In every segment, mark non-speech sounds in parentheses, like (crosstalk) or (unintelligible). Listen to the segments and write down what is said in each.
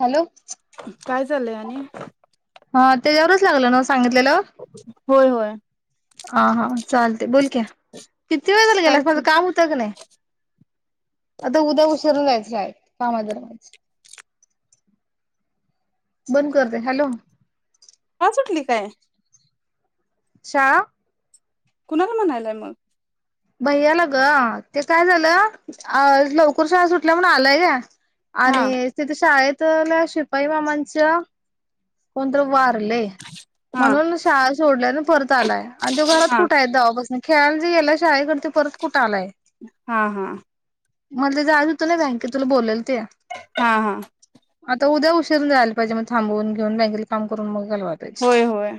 Hello. काय चाललंय आनि हा त्याच्यावरच लागलं ना वो सांगितलेल्या वर होय होय. हा हा चालते बोल की किती वेळ झाला काय गेलास माझं काम होतं का नाय. आता उद्या उसरून जायच शाळेत कामा ए जरा माज बंद करते हॅलो. पांचटली काय? शाळा कोणाला म्हनालाय मग भैयाला ग ते काय झालं अ लवकर शाळा सुटल्या म्हण आलाया हा आणि तिथे शाळेतल्या शिपाई मामांच्या कोणतरी वारलय हा म्हणून शाळा सोडल्यान परत आलाय. आणि तो घरात हा कुठं आहे तवा पासन खेळाला च गेलाय शाळेकड ती परत कुठं आलाय. हा हा. मला जायच हुत न बँकेत तुला बोलेल ते हा हा. आता उद्या उशीरून जायला पाहिजे मग थांबवून घेऊन बँकेतल काम करून मग घालवाय पाहिजे. होय होय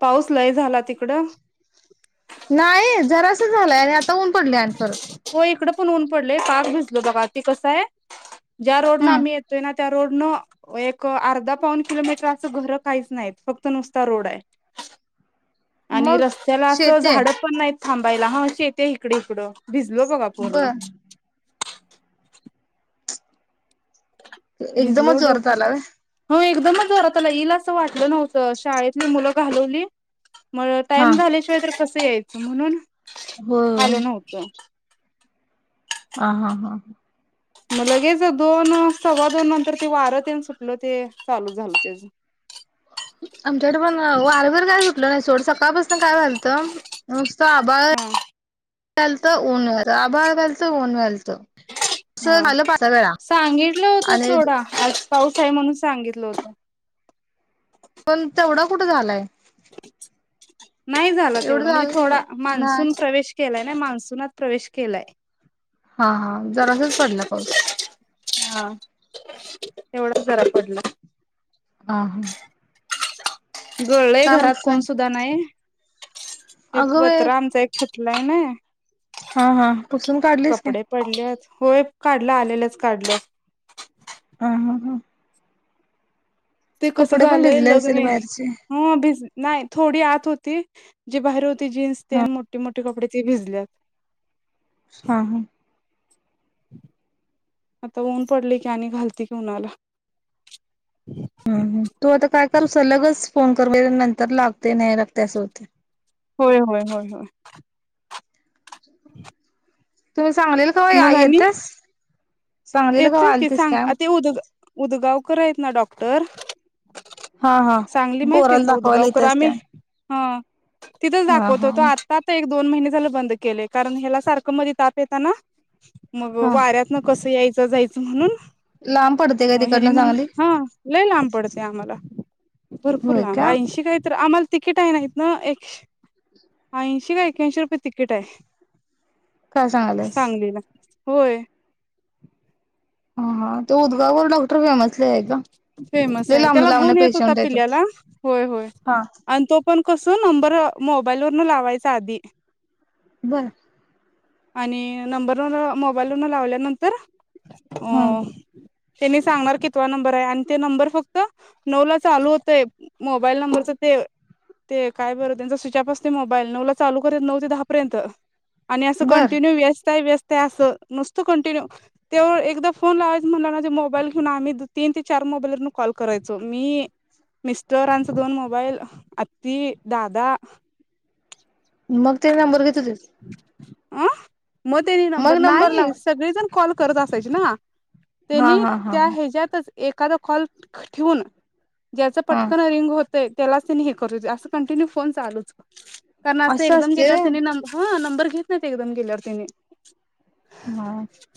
पाऊस लय झाला तिकडं. नाही जरास झालाय आता ऊन पडलय आणि परत हो इकड पण ऊन पडलय पाक भिजलो बघा ती कसं आहे ज्या रोड न हम्म आम्ही येतोय ना. त्या रोड नं एक अर्धा पाऊन किलोमीटर असं घरं काहीच नाहीत फक्त नुसता रोड आहे. आणि मग रस्त्याला असं शेती आहे झाडं पण नाहीत थांबायला हा अ शेती आहेत इकडं इकडं. भिजलो बघा बर पूर्ण भिजलो एकदमच जोरात डोकं. आला व्हय हो एकदमच जोरात आलाय ईल असं वाटलं नव्हतं शाळेतली मुलं घालवली. मग हा टाइम झाल्याशिवाय तर कसं यायचं म्हणून हो आलो नव्हतो. ह हा हा. मग लगेच दोन सव्वा दोन नंतर ते वार तेन सुटलं ते चालू झालं त्याच आमच्याकडे पण वारं बीर काय सुटलं नाही सोड सकाळपासून काय व्हायलत. नुसतं आभाळ हा यालत ऊन व्यालत आभाळ व्यालत ऊन व्यालत हा सांगितलं होतं आणि सोडा आज पाऊस आहे म्हणून सांगितलं होतं. पण तेवढा कुठे झालाय. नाही झाला एवढं तेवढं म्हणजे झालं नाही बघ थोडा मान्सून नाही प्रवेश केलाय नाय मान्सूनात प्रवेश केलाय. हा हा जरासच पडला पाऊस. हा तेवढाच जरा पडला. हा हा. गळलंय काय घरात म्हणते कोण सांग सुुद्धा नाही ते अगं बाई पत्रा आमचा एक फुटलाय आहेना हा हा पुसून काढलीस काय? पडल्यात होय काढला आलेलंच काढल हं हं हा. ते कसं कपडे पण झालंय भिजले लग्न असेल बाहेरचे हे आ भिज नाही थोडी आत होती. जे बाहेर होते जीन्स हा तेन मोठे मोठे कपडे ते भिजल्यात. हा हा. आता ऊन पडलय की आणि घालती की उन्हाला तू आता काय कर सलगच फोन कर म्हणजे नंतर लागतय नाही लागतय असं होतय. होय, होय, होय, होय. (inaudible) तुम्ही सांगलीला कवा मग आणि येतेस सांगलीला कवा येतय की आलतीस सांग काय आ ते उद उदगावकर आहेत ना डॉक्टर हा हा सांगली माहितीय पोराला का दाखवायला उदगावकर येतेस आम्ही काय हा तिथंच हा दाखवत हा होतो आता तर एक दोन महिने झाले बंद केलय कारण ह्याला सारखं मध्ये ताप येता ना मग हा वाऱ्यात न कसं यायचं जायचं म्हणून लांब पडतय हो हेनी म्हणलं हा लई लांब पडतय आम्हाला भरपूर होय लांब का ऐंशी काही तर आम्हाला तिकीट आहे ना हितन एकशे ऐंशी का एक्याऐंशी रुपये तिकीट आहे. काय सांगाल्यास सांगलीला होय‌ हा हा तो उदगावर डॉक्टर फेमस फेमस आहे त्याला गुण येत होता पेशंट येतात पिल्याला होय होय हा आणि तो पण कसं नंबर मोबाईल वरन लावायचा आधी बर. आणि नंबरवर मोबाईल वरन लावल्यानंतर हो हम्म त्यांनी सांगणार कि तो नंबर आहे आणि ते नंबर फक्त नऊ ला चालू होतय मोबाईल नंबरच ते ते काय बरं त्यांचा स्विचप असते मोबाईल नऊ ला चाल करत नऊ ते दहा पर्यंत. आणि असं बर कंटीन्यू व्यस्त, व्यस्त, त्या असं नुसतं कंटिन्यू तेव एकदा फोन लावायचं म्हणलं ना ते मोबाईल घेऊन आम्ही तीन ते चार मोबाईलवर न कॉल करायचो मी मिस्टर यांचा दोन मोबाईल अत्ती, दादा मग ते नंबर घेतो. अं मग त्यांनी मग नंबर लाव नाही सगळेजण कॉल करत असायचे ना हा त्यांनी हा हा त्या हा ह्याच्यातच एखादा कॉल ठेऊून ज्याचं हा पटकन रिंग होतंय त्यालाच त्यांनी हे करु कंटिन्यू फोन चालुच असं एकदम असते गेल्यावर व्हय त्यानी ह नंबर घेत नाही एकदम गेल्यावर त्यानी हा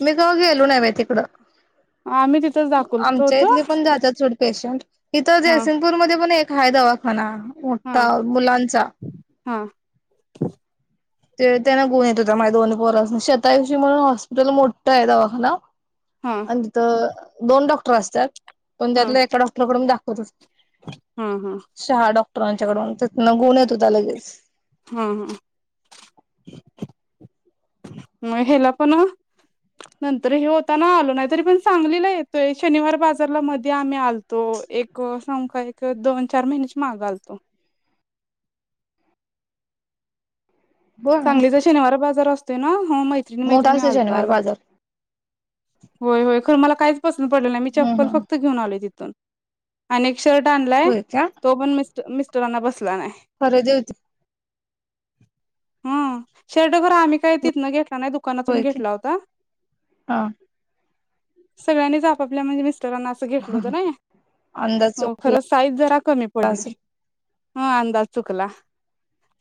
मी तेव्हा गेलो नायहो तिकडं आम्ही तिथंच दाखवतो आमच्या होतो इथले पण जातात थोडे पेशंट इथ हा जयसिंगपूर मध्ये पण एक हाय दवाखाना मोठा हां मुलांचा हा. ते त्यांना गुण येत होता माझ्या दोन्ह पोर असुन शेताएवशी म्हणून हॉस्पिटल मोठं आहे दवाखाना हा. आणि तिथ दोन डॉक्टर असतात. पण हा त्यातला एका डॉक्टरकडून दाखवतच हा हा शहा डॉक्टरांच्याकडून त्या न गोण येत होता लगेच, हा हा हेला पण नंतर हे होताना आलो नाही तरी पण सांगलीला येतोय शनिवार बाजारला मध्ये आम्ही आलो. तो एक सम का एक दोन चार महिन्याची मागे आलतो. ब सांगलीचा शनिवार बाजार असतो ना मैत्रिणी मोठा मैत्रिणी असतो आलतो शनिवार आम्ही बाजार होय होय खरं मला कायच पसंत पडले नाही मी हम्म चप्पल हम्म फक्त घेऊन आले तिथून आणि एक शर्ट आणलाय होय का तो पण मिस् मिस्टरांना बसला नाही. खरेदी होती. हम शर्ट खर आम्ही काही तिथनं घेतला नाही दुकानातून घेतला होता. हां सगळ्यांच आपपल्या म्हणज मिस्टरांना घल अंदाज चुकला खर साईज जरा कमी पडली. असेल ह अंदाज चुकला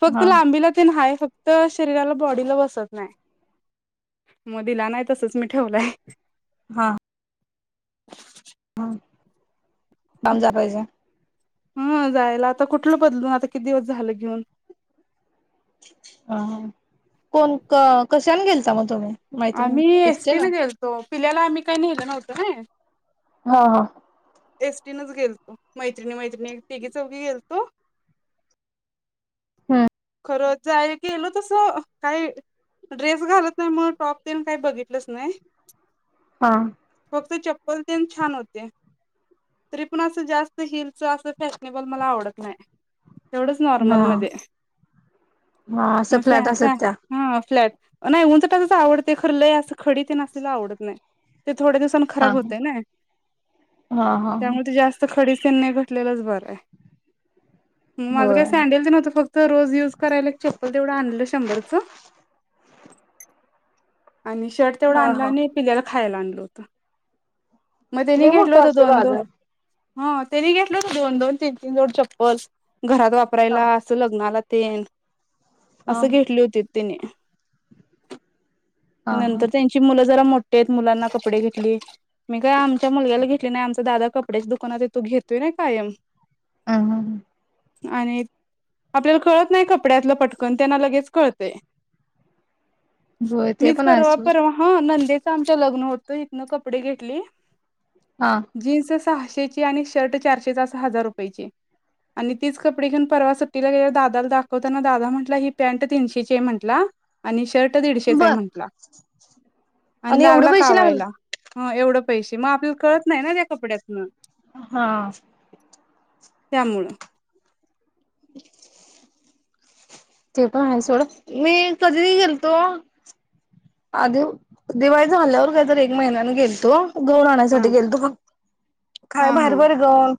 फक्त हा तुला आंबीला ते हाय फक्त तर शरीराला बॉडीला बसत नाही म दिला नाही तसच मी ठेवलंय. हा हा ऊन जा पाहिजे. ह जायला आता कुठलं बदलून आता किती दिवस झालं घेऊन. ह कोण कशन गेलचा मग तुम्ही? आम्ही एसटी न गेलतो पिल्याला आम्ही काही नेलं नव्हतो ना, हा हा एसटीनच गेलतो मैत्रिणी मैत्रिणी तीघी चौघी गेलतो. हम खरं जा आहेल की गलो तस काय. ड्रेस घालत नाही मग टॉप देन काही बघितलंच नाही. हां फक्त चप्पल ते छान होते. तरी पण असं जास्त हिलच असं फॅशनेबल मला आवडत नाही. एवढंच नॉर्मल हा मध्ये हा असं म फ्लॅट असत त्या हा फ्लॅट नाही उंच टाचेचे आवडत खर लय असं खडी ते नसलेला आवडत नाही. ते थोडे्या दिवस हा खराब होते ना, हा हा हा, त्यामुळे ते जास्त खडसेन नाही घटलेलंच बरं आहे मग माझं होय काही सॅडेल नव्हतं फक्त.. तर रोज युज करायला एक चप्पल तेवढं आणलं शंभरच आणि शर्ट तेवढा हा आणला हा आणि पिल्याला खायला आणल होत. मग तेनी लय घेतला मोठा होत दो असतोय अंधो बाजार हा त्यांनी घेतलं ना दोन दोन तीन तीन जोड चप्पल घरात हा वापरायला. लग्नाला ते हा असं हा घेतली होती त्यानी. हा नंतर त्यांची मुल जरा मोठे मुलांना कपडे घेतली मी काय आमच्या मुला घ नाही आमचा दादा कपडेच्या दुकानातथू घेतोय कायम ह हां ह आणि आपल्याला कळत नाही कपड्यातलं पटकन त्यांना लगेच कळतय. होय (inaudible) ते मीच पण आहे परवा सोड परवा ह नंदेच आमच्या लग्न होतं इथन कपडे घेतले. हा जीन्स सहाशेची आणि शर्ट चारशेचाहा हजार रुपयची. आणि तीच कपडे घेन परवा सुट्टीला गेवर दादाला दाखवताना दादा म्हट ही पॅ्ट तीनशेची आहे म्हटला. आणि शर्ट दीडशेचा आहे बर म्हटला आणि एवढे लागला पैसे कावायला. लागले ह एवढं पैसे मग आपल्याला कळत नाही ना त्या कपड्यातन, हा त्यामुळं (unintelligible) ते पण आहे सोडं मी कधी गेलतो. आ दिवाळी झा झाल्यावर कायत एक महिन्याने गेल तू दोन हा आणाण्यासाठी गेल तू फक्त काय हा बाहेर हा बर ग.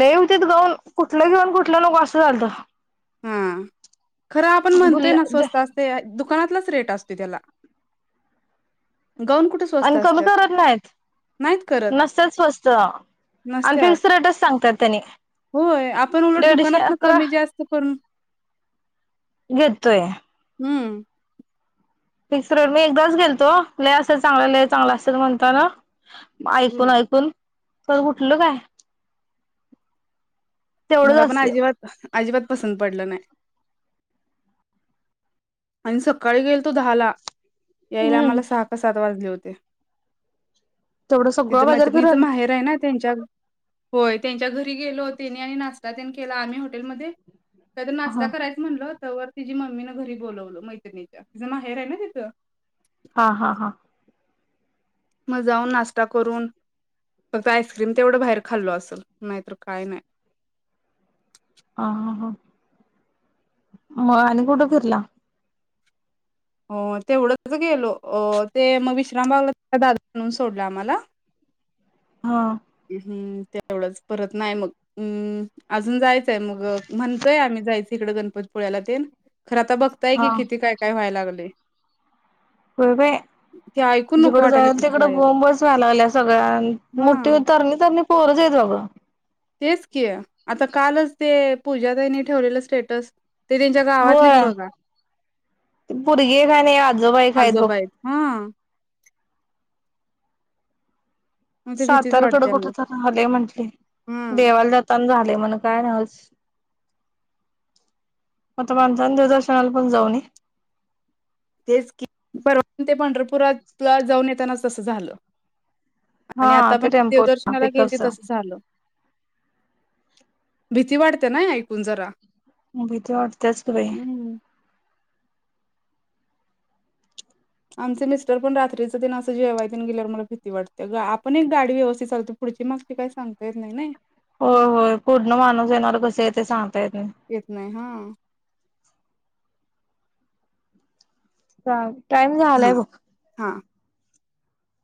ललेवते गऊन कुठलं घेऊन कुठलं लोक असं चालतं. हा खरं आपण म्हणतोय ना भुल्या स्वस्तात (unintelligible) आणि कमी करत नाहीत करत नसतच स्वस्त- नसत्यात अनफिक्स् रेटच सांगतात त्यांनी दडशे त करून घेतोय. हम्म. फिक्स रोड मी एकदाच गेलतो ले असेल चांगला ले चांगला असेल म्हणता ना. ऐकून हम्म. ऐकून तर उठल काय? तेवढंच मला पण असतंय अजिबात अजिबात पसंत पडलं नाही. आणि सकाळी गेल तो दहा ला यायला हम्म आम्हाला सहा का सात वाजले होते. तेवढं सगळं तिथं बाजार मैत्रिणीच फिरून माहेर आहे ना त्यांच्या होय त्यांच्या घरी के होट हा म्हणलं तर व तिी मम्मीनं घरी बोलावलं मैत्रिणीच्या तिचं माहेर आहे ना तिथं. हा हा हा. मज जाऊन नाश्ता करून फक्त आईस्क्रीम तेवढं बाहेर खाल्लो असेल नाहीतर काय नाही. ह हां हां. हो अनकूठ फरला अ तेवढंच गेलो अ ते मग विश्रामबागला दादा म्हणून सोडला आम्हाला हा. हम्म तेवढंच परत नाही मग हम्म अजून जायच. मग म्हणतोय आम्ही जायच इडें गणपतीपुळ्याला ते खर आता बघताय हा की किती काय? काय व्हाया लागल हे. बोलवे. ते ऐकून नको जिकड वाटायला जाय तिथे तिकडं जायला बोंबच व्हया लागलिया सगळ्या मोठी हा तरणी तरणी पोर जायतघ तेच की आता कालच ते पूज तईनी ठेवलेलं स्टेटस ते त्यांच्या गावातलीच होय बघा पोरगी एक हाय आणि आजोबा एक हायत बघ आजोबा आहेत. हा. मग ते भीतीच सातारकड वाटते कुठ मग तर राहिले म्हंटले हम्म देवाला जाताना झाले म्हण काय नाही. मतदान निदर्शनाला पण जाऊन तेच की परवान ते पंढरपुरातला जाऊन येताना तसं झालं. हा आणि आता पण ते टेम्पो देवदर्शनाला गेयचे पिकअपच तसं झालं. भीती वाढते ना ऐकून जरा भीती वाटतेच ग बाई. हम्म आमचे मिस्टर पण रात्रीच दिन असं जेवाय तथ गेल्यावर मला भीती वाटते आपण एक गाडी व्यवस्थित लतो पुढची मागची काही सांगता येत नाही. हो हो पूर्ण माणूस येणार कस आहे ते सांगता येत नाही. येत नाही हा. टाइम हा झालाय बघ. हा.